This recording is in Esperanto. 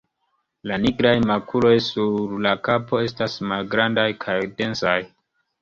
La nigraj makuloj sur la kapo estas malgrandaj kaj densaj.